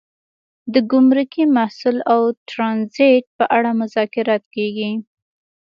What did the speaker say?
د ګمرکي محصول او ټرانزیټ په اړه مذاکرات کیږي